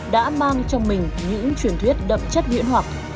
đã mang trong mình những truyền thuyết đậm chất huyễn hoặc